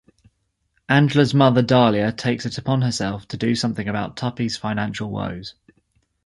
Angela's mother Dahlia takes it upon herself to do something about Tuppy's financial woes.